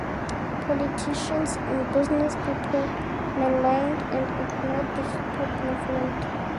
Politicians and businesspeople maligned and ignored the hip hop movement.